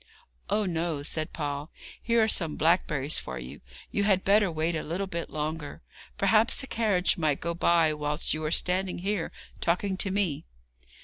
'Oh no,' said Paul. 'Here are some blackberries for you; you had better wait a little bit longer. Perhaps a carriage might go by whilst you are standing here talking to me.'